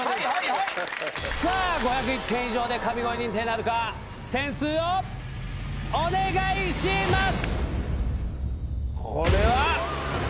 さあ、５０１点以上で神声認定なるか、点数をお願いします！